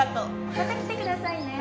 また来てくださいね